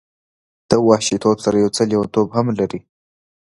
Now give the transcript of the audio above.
د وحشي توب سره یو څه لیونتوب هم لري.